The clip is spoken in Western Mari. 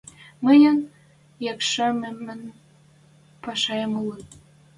— Мӹньӹн ӹшкӹмемӹн пӓшӓэм улы.